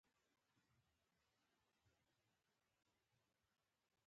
له دې نجلۍ ام عاصم وزېږېده.